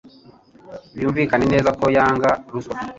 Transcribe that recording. Byumvikane neza ko yanga ruswa.